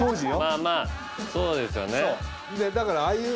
まあまあそうですよね。